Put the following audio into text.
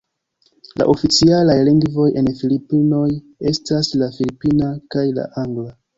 La oficialaj lingvoj en Filipinoj estas la filipina kaj la angla.